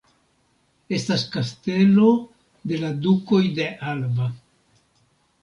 Estas Kastelo de la Dukoj de Alba.